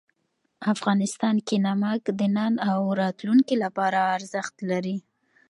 افغانستان کې نمک د نن او راتلونکي لپاره ارزښت لري.